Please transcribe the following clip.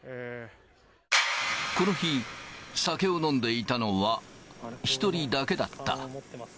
この日、酒を飲んでいたのは、１人だけだった。